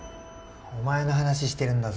お前の話してるんだぞ。